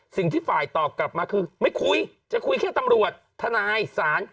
สิ่งที่ฝ่ายตอบกลับมาคือไม่คุยจะคุยแค่ตำรวจทนายศาล